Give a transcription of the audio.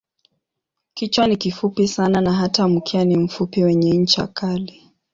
Kichwa ni kifupi sana na hata mkia ni mfupi wenye ncha kali.